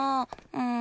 うん。